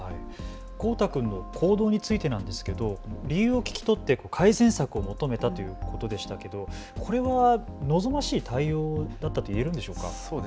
コウタ君の行動についてなんですけど、理由を聞き取って改善策を求めたということでしたけど、これは望ましい対応だったといえるんでしょうか。